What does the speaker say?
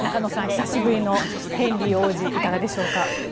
久しぶりのヘンリー王子いかがでしょうか。